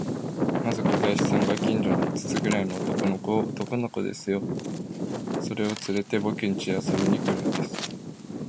まず小林さんが、近所の五つくらいの男の子を、男の子ですよ、それをつれて、ぼくんちへ遊びに来るんです。